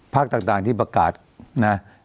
พักต่างที่ประกาศนะ